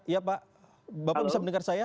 ya pak bapak bisa mendengar saya